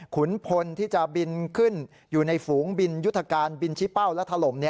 ขุนพลที่จะบินขึ้นอยู่ในฝูงบินยุทธการบินชี้เป้าและถล่ม